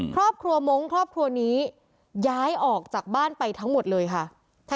มงค์ครอบครัวนี้ย้ายออกจากบ้านไปทั้งหมดเลยค่ะ